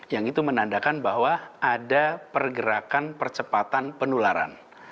yang itu menandakan bahwa ada pergerakan percepatan penularan